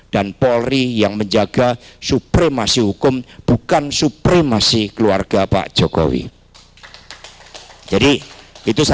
dan polri yang menjaga supremasi hukum bukan supremasi keluarga pak jokowi jadi itu saya